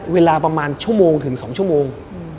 เวลาประมาณชั่วโมงถึง๒ชั่วโมง